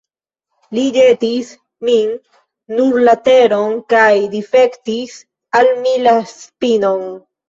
Li ĵetis min sur la teron kaj difektis al mi la spinon.